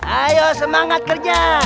ayo semangat kerja